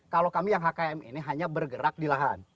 kalau kami yang hkm ini hanya bergerak di lahan